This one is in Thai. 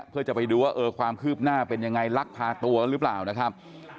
เพื่อจะไปดูว่าเออความคืบหน้าเป็นยังไงลักพาตัวหรือเปล่านะครับ